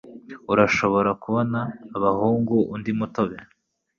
Urashobora kubona abahungu undi mutobe?